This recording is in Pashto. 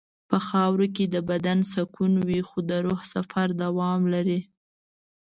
په خاوره کې د بدن سکون وي خو د روح سفر دوام لري.